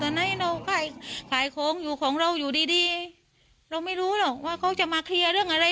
ไหนเราขายขายของอยู่ของเราอยู่ดีดีเราไม่รู้หรอกว่าเขาจะมาเคลียร์เรื่องอะไร